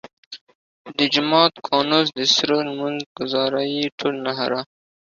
د جومات فانوس د سرو لمونځ ګزار ئې ټول نهر !